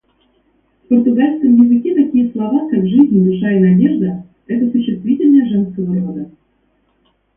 В португальском языке такие слова, как жизнь, душа и надежда, — это существительные женского рода.